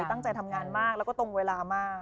ตั้งใจทำงานมากแล้วก็ตรงเวลามาก